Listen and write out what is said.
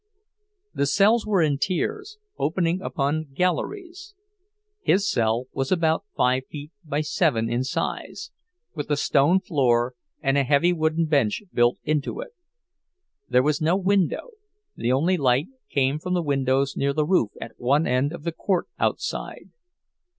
The cells were in tiers, opening upon galleries. His cell was about five feet by seven in size, with a stone floor and a heavy wooden bench built into it. There was no window—the only light came from windows near the roof at one end of the court outside.